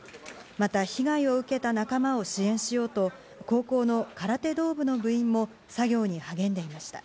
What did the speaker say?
また被害を受けた仲間を支援しようと、高校の空手道部の部員も作業に励んでいました。